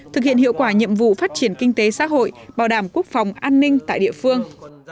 thực hiện hiệu quả nhiệm vụ phát triển kinh tế xã hội bảo đảm quốc phòng an ninh tại địa phương